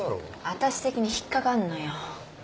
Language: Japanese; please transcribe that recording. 私的に引っ掛かんのよ。